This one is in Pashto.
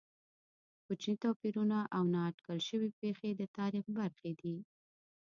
کوچني توپیرونه او نا اټکل شوې پېښې د تاریخ برخې دي.